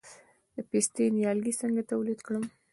د پستې نیالګي څنګه تولید کړم؟